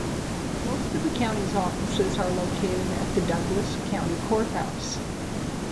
Most of the county's offices are located at the Douglas County Courthouse.